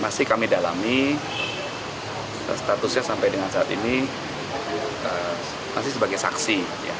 masih kami dalami statusnya sampai dengan saat ini masih sebagai saksi